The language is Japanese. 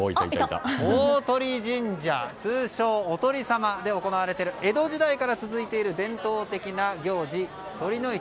鷲神社通称おとりさまで行われている江戸時代から続いている伝統的な行事、酉の市。